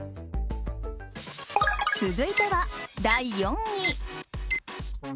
続いては第４位。